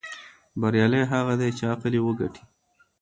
بریالی هغه دی چې عقل یې وګټي.